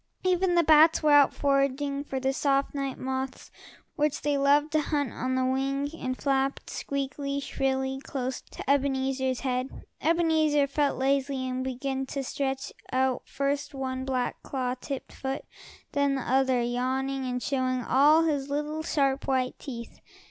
Even the bats were out foraging, for the soft night moths which they loved to hunt on the wing, and flapped, squeaking shrilly, close to Ebenezer's head. Ebenezer felt lazy, and began to stretch out first one black, claw tipped foot, then the other, yawning and showing all his little sharp white teeth.